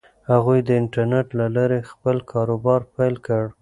هغوی د انټرنیټ له لارې خپل کاروبار پیل کړ.